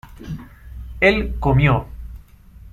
él comió